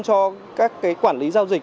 cho các quản lý giao dịch